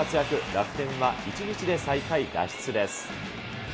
楽天は１日で最下位脱出です。